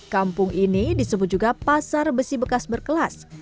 kampung ini disebut juga pasar besi bekas berkelas